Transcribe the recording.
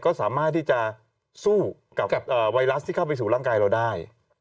ก็สามารถที่จะสู้กับไวรัสที่เข้าไปสู่ร่างกายเราได้